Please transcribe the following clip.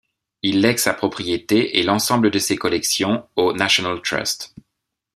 Il lègue sa propriété et l'ensemble de ses collections au National Trust.